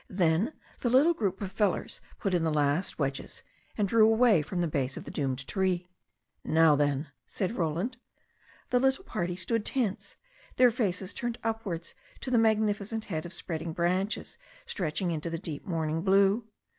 Then the little group of fellers put in the last wedges and drew away from the base of the doomed tree. "Now, then," said Roland. The little party stood tense, their faces turned upwards to the magnificent head of spreading branches stretched into the deep morning blue.